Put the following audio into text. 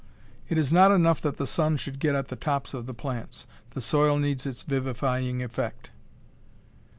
It is not enough that the sun should get at the tops of the plants. The soil needs its vivifying effect.